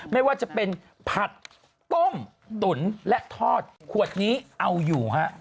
ไม่ว่าจะเป็นผัดต้มตุ๋นและทอดขวดนี้เอาอยู่ฮะ